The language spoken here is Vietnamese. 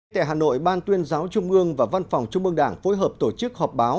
tại hà nội ban tuyên giáo trung ương và văn phòng trung mương đảng phối hợp tổ chức họp báo